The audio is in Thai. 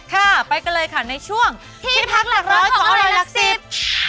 ค่ะไปกันเลยค่ะในช่วงที่พักหลักร้อยของอร่อยหลักสิบ